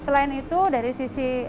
selain itu dari sisi